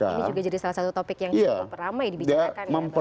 ini juga jadi salah satu topik yang cukup ramai dibicarakan ya